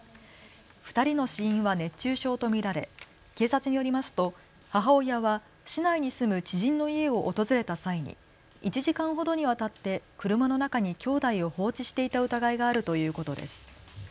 ２人の死因は熱中症と見られ警察によりますと母親は市内に住む知人の家を訪れた際に１時間ほどにわたって車の中にきょうだいを放置していた疑いがあるということです。